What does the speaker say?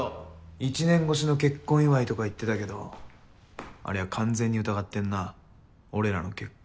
１年越しの結婚祝いとか言ってたけどありゃ完全に疑ってんな俺らの結婚。